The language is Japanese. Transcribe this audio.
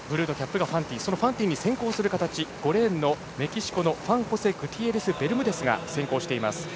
そのファンティンに先行する形で５レーンのメキシコのフアンホセ・グティエレスベルムデスが先行しています。